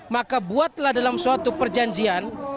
maka buatlah dalam suatu perjanjian